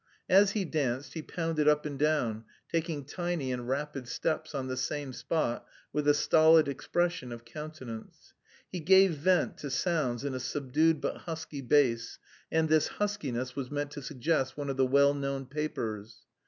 As he danced he pounded up and down, taking tiny and rapid steps on the same spot with a stolid expression of countenance. He gave vent to sounds in a subdued but husky bass, and this huskiness was meant to suggest one of the well known papers.